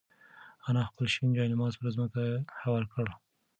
انا خپل شین جاینماز پر ځمکه هوار کړ.